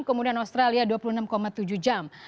kemudian australia dua puluh enam tujuh jam